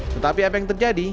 tetapi apa yang terjadi